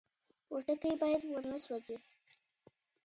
پوټکی باید ونه سوځي.